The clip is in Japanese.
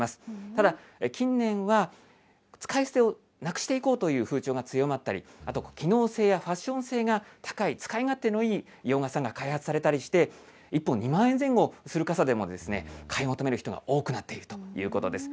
ただ、近年は使い捨てをなくしていこうという風潮が強まったり、あと機能性やファッション性が高い、使い勝手のいい洋傘が開発されたりして、１本２万円前後する傘でも、買い求める人が多くなっているということです。